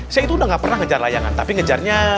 saya itu udah gak pernah ngejar layangan tapi ngejarnya